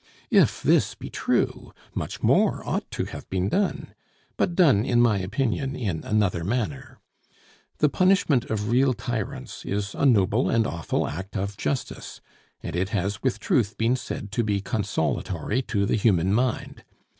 If this be true, much more ought to have been done; but done, in my opinion, in another manner. The punishment of real tyrants is a noble and awful act of justice; and it has with truth been said to be consolatory to the human mind.